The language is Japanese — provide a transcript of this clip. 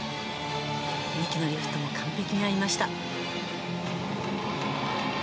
２基のリフトも完璧に合いました。